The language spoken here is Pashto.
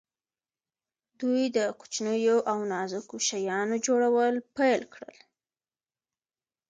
دوی د کوچنیو او نازکو شیانو جوړول پیل کړل.